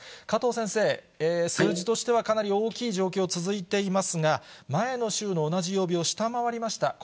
加藤先生、数字としてはかなり大きい状況、続いていますが、前の週の同じ曜日を下回りました。